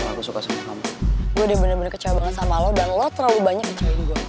aku suka sama kamu gue udah bener bener kecewa banget sama lo dan lo terlalu banyak dicari gol